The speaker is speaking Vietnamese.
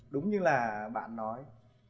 đúng như là bạn nói